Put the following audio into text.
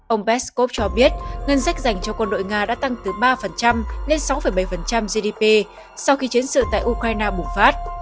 ông peskov cho biết ngân sách dành cho quân đội nga đã tăng từ ba lên sáu bảy gdp sau khi chiến sự tại ukraine bùng phát